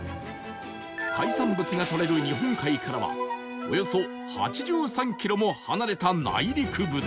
海産物がとれる日本海からはおよそ８３キロも離れた内陸部で